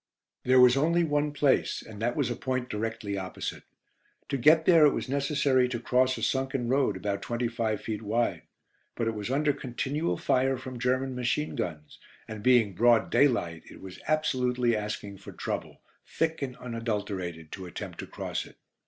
There was only one place, and that was a point directly opposite. To get there it was necessary to cross a sunken road about twenty five feet wide. But it was under continual fire from German machine guns, and being broad daylight it was absolutely asking for trouble, thick and unadulterated, to attempt to cross it.